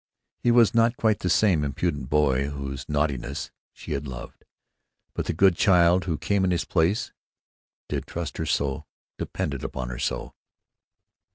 He was not quite the same impudent boy whose naughtiness she had loved. But the good child who came in his place did trust her so, depend upon her so....